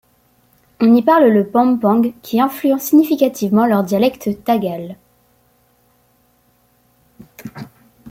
On y parle le pampangue, qui influence significativement leur dialecte tagale.